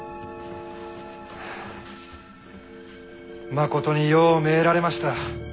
まことによう参られました。